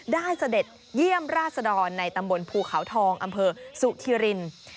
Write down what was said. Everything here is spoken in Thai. เสด็จเยี่ยมราชดรในตำบลภูเขาทองอำเภอสุธิริน